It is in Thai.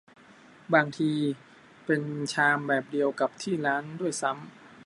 บางทีเป็นชามแบบเดียวกับที่ร้านด้วยซ้ำ